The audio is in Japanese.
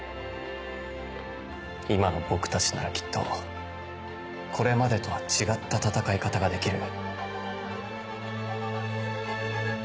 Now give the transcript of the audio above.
今の僕たちならきっとこれまでとは違った戦い方ができる。